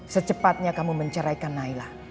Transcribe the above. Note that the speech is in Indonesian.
secepatnya kamu menceraikan nailah